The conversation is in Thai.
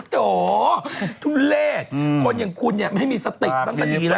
โถทุเลศคนอย่างคุณเนี่ยไม่ให้มีสติบ้างก็ดีแล้ว